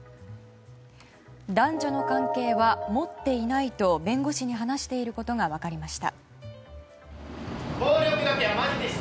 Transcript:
男女の関係は持っていないと弁護士に話していることが分かりました。